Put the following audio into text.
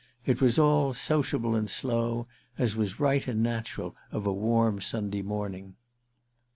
It was all sociable and slow, as was right and natural of a warm Sunday morning.